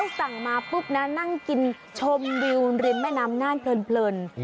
สั่งมานั่นกินชมวิวรินแม่น้ำแน่น